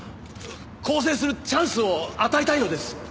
更生するチャンスを与えたいのです。